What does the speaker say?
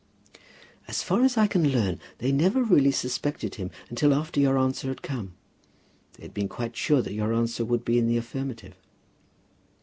"As far as I can learn, they never really suspected him until after your answer had come. They had been quite sure that your answer would be in the affirmative."